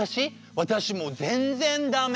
私もう全然ダメ。